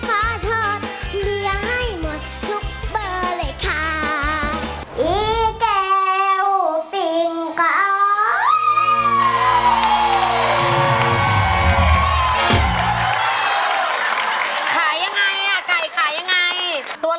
ตัวละเท่าไหร่